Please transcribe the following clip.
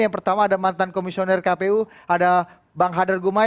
yang pertama ada mantan komisioner kpu ada bang hadar gumai